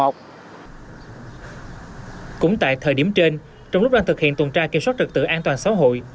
cũng tại thời điểm trên trong lúc đang thực hiện tuần tra kiểm soát trật tự an toàn xã hội